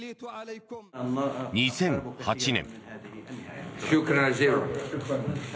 ２００８年。